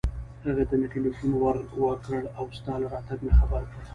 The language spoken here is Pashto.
هغه ته مې ټېلېفون ور و کړ او ستا له راتګه مې خبر کړ.